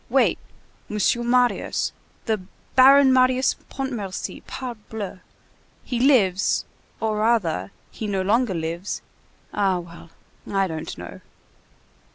Wait! Monsieur Marius—the Baron Marius Pontmercy, parbleu! He lives,—or rather, he no longer lives,—ah well, I don't know."